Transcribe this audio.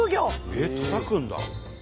えったたくんだ。